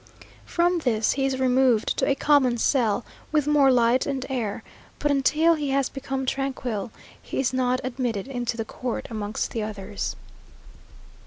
From this he is removed to a common cell, with more light and air; but until he has become tranquil, he is not admitted into the court amongst the others.